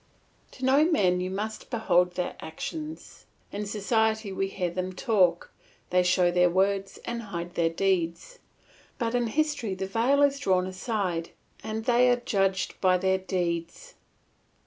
To know men you must behold their actions. In society we hear them talk; they show their words and hide their deeds; but in history the veil is drawn aside, and they are judged by their deeds.